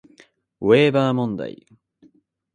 ウェーバー問題